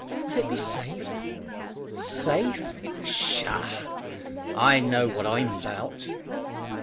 "Will it be safe?" "Safe? Tchah! I know what I'm 'bout."